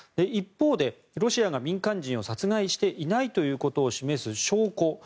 一方で、ロシアが民間人を殺害していないことを示す証拠。